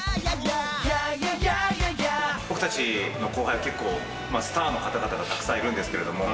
僕たちの後輩は結構、スターの方々がたくさんいるんですけれども。